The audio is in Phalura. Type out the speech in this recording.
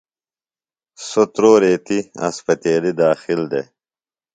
سوۡ تُرو ریتیۡ اسپتیلیۡ داخل دےۡ۔